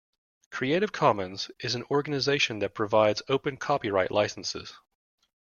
Creative Commons is an organisation that provides open copyright licences